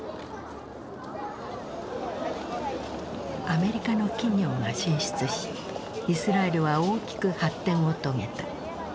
アメリカの企業が進出しイスラエルは大きく発展を遂げた。